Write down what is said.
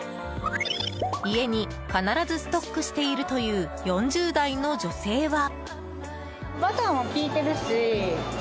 家に必ずストックしているという４０代の女性は。